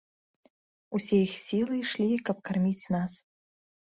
Усе іх сілы ішлі, каб карміць нас.